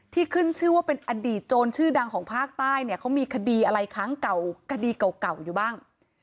ขึ้นชื่อว่าเป็นอดีตโจรชื่อดังของภาคใต้เนี่ยเขามีคดีอะไรครั้งเก่าคดีเก่าอยู่บ้าง